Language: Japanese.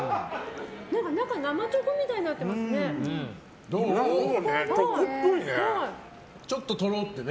中、生チョコみたいになってますね。